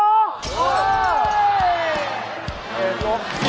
โอ๊ย